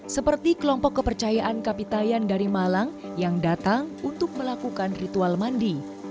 seperti kelompok kepercayaan kapitayan dari malang yang datang untuk melakukan ritual mandi